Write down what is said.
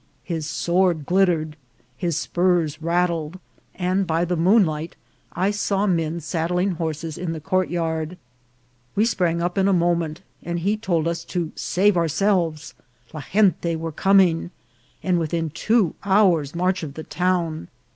His sword glittered, his spurs rattled, and by the moonlight I saw men saddling horses in the courtyard. "We sprang up in a moment, and he told us to save ourselves; "la gente" were coming, and within two hours' march of the town.